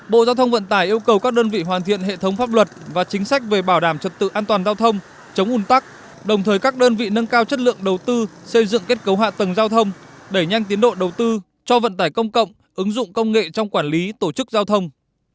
bộ giao thông vận tải yêu cầu các đơn vị hoàn thiện hệ thống pháp luật và chính sách về bảo đảm trật tự an toàn giao thông chống ủn tắc đồng thời các đơn vị nâng cao chất lượng đầu tư xây dựng kết cấu hạ tầng giao thông đẩy nhanh tiến độ đầu tư cho vận tải công cộng ứng dụng công nghệ trong quản lý tổ chức giao thông